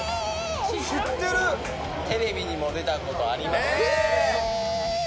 テレビにも出たことあります。